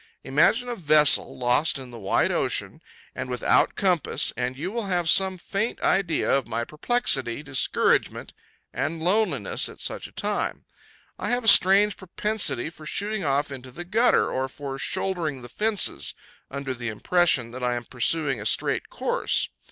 Imagine a vessel lost in the wide ocean, and without a compass, and you will have some faint idea of my perplexity, discouragement, and loneliness at such a time. I have a strange propensity for shooting off into the gutter, or for shouldering the fences, under the impression that I am pursuing a straight course.